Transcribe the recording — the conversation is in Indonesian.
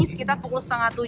sekitar pukul setengah tujuh